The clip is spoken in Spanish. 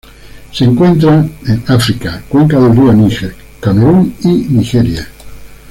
Se encuentran en África: cuenca del río Níger, Camerún y Nigeria.